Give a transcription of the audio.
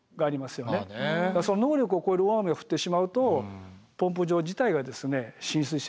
その能力を超える大雨が降ってしまうとポンプ場自体が浸水してしまう。